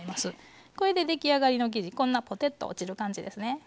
これで出来上がりの生地こんなポテッと落ちる感じですね。